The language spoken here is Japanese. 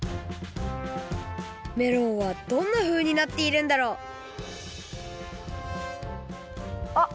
メロンはどんなふうになっているんだろうあっ